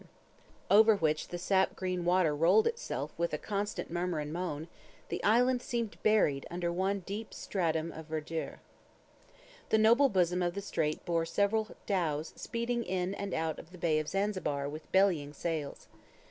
With the exception of the thin line of sand, over which the sap green water rolled itself with a constant murmur and moan, the island seemed buried under one deep stratum of verdure. The noble bosom of the strait bore several dhows speeding in and out of the bay of Zanzibar with bellying sails.